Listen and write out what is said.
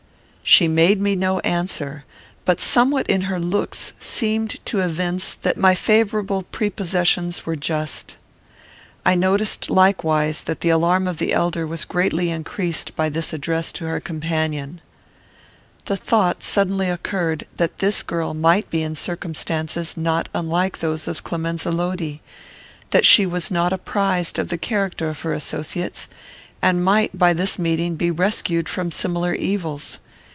She made me no answer, but somewhat in her looks seemed to evince that my favourable prepossessions were just. I noticed likewise that the alarm of the elder was greatly increased by this address to her companion. The thought suddenly occurred that this girl might be in circumstances not unlike those of Clemenza Lodi; that she was not apprized of the character of her associates, and might by this meeting be rescued from similar evils.